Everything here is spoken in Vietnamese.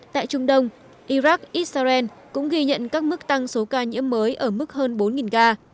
tại trung đông iraq israel cũng ghi nhận các mức tăng số ca nhiễm mới ở mức hơn bốn ca